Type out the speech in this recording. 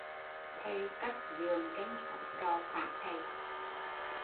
Thầy cắt dượng chân học trò phản Thầy